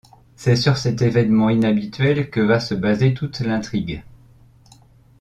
C'est sur cet événement inhabituel que va se baser toute l'intrigue.